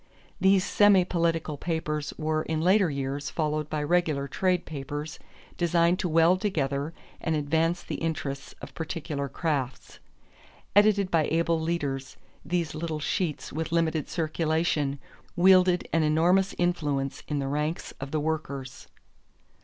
These semi political papers were in later years followed by regular trade papers designed to weld together and advance the interests of particular crafts. Edited by able leaders, these little sheets with limited circulation wielded an enormous influence in the ranks of the workers.